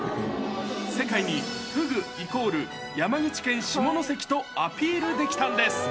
世界にフグイコール山口県下関とアピールできたんです。